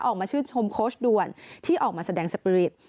ออกมาชื่นชมโค้ชด่วนที่ออกมาแสดงสปีริต